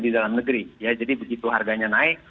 di dalam negeri ya jadi begitu harganya naik